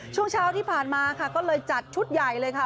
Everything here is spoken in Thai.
ช่วงเช้าที่ผ่านมาค่ะก็เลยจัดชุดใหญ่เลยค่ะ